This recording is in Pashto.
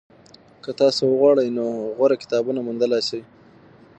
که تاسو وغواړئ نو غوره کتابونه موندلی شئ.